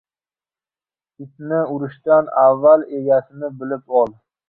• Itni urishdan avval egasini bilib ol.